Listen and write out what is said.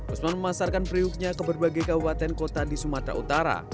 usman memasarkan periuknya ke berbagai kabupaten kota di sumatera utara